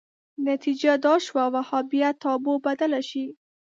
نتیجه دا شوه وهابیت تابو بدله شي